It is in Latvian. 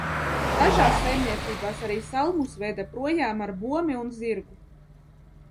Dažās saimniecībās arī salmus veda projām ar bomi un zirgu.